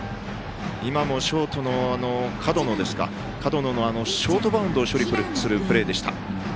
今もショートの門野のショートバウンドを処理するプレーでした。